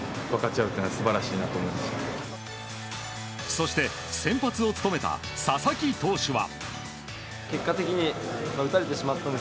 そして、先発を務めた佐々木投手は。